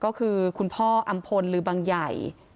ก็คือคุณพ่ออำพลหรือบังใหญ่